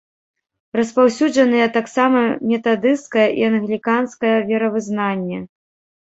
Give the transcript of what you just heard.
Распаўсюджаныя таксама метадысцкае і англіканскае веравызнанне.